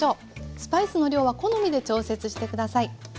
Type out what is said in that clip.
スパイスの量は好みで調節して下さい。